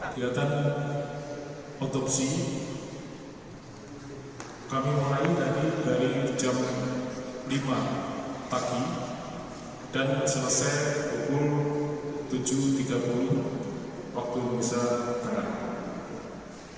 kegiatan otopsi kami mulai dari jam lima pagi dan selesai pukul tujuh tiga puluh waktu indonesia tengah